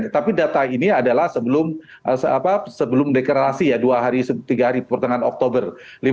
tapi data ini adalah sebelum deklarasi ya dua hari tiga hari pertengahan oktober